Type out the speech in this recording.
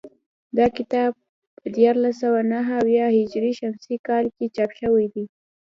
دا کتاب په دیارلس سوه نهه اویا هجري شمسي کال کې چاپ شوی دی